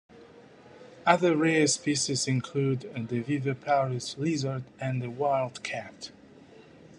Other rare species include the Viviparous lizard and the Wildcat.